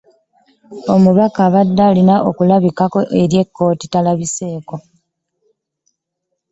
Omubaka abadde alina okulabikako eri kkooti talabiseko.